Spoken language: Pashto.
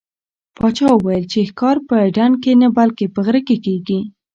پاچا وویل چې ښکار په ډنډ کې نه بلکې په غره کې کېږي.